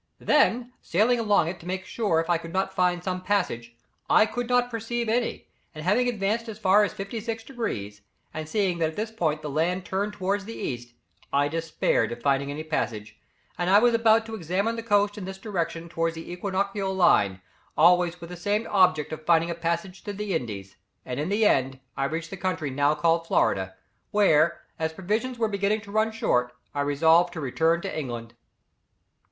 "Then, sailing along it to make sure if I could not find some passage, I could not perceive any, and having advanced as far as 56 degrees, and seeing that at this point the land turned towards the east, I despaired of finding any passage, and I put about to examine the coast in this direction towards the equinoctial line, always with the same object of finding a passage to the Indies, and in the end, I reached the country now called Florida, where as provisions were beginning to run short, I resolved to return to England."